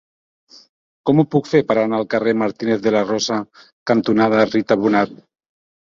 Com ho puc fer per anar al carrer Martínez de la Rosa cantonada Rita Bonnat?